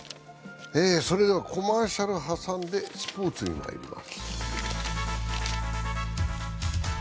コマーシャル挟んでスポーツにまいります。